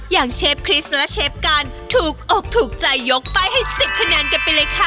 เชฟคริสและเชฟกันถูกอกถูกใจยกป้ายให้๑๐คะแนนกันไปเลยค่ะ